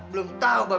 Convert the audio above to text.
belum tau bang